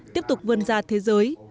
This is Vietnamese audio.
tiếp tục vươn ra thế giới